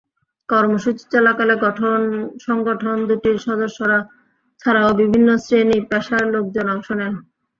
কর্মসূচি চলাকালে সংগঠন দুটির সদস্যরা ছাড়াও বিভিন্ন শ্রেণি-পেশার লোকজন অংশ নেন।